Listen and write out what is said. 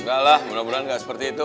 alah bener bener gak seperti itu